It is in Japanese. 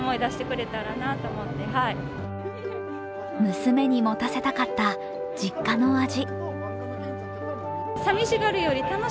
娘に持たせたかった、実家の味。